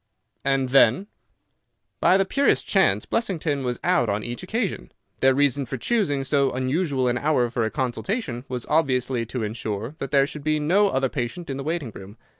"And then?" "By the purest chance Blessington was out on each occasion. Their reason for choosing so unusual an hour for a consultation was obviously to insure that there should be no other patient in the waiting room.